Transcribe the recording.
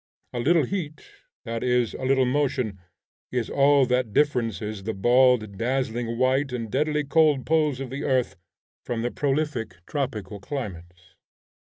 A little heat, that is a little motion, is all that differences the bald, dazzling white and deadly cold poles of the earth from the prolific tropical climates.